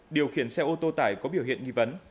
điều khiển xe ô tô tải có biểu hiện nghi vấn